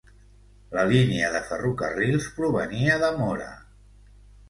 La línia de ferrocarrils provenia de Móra.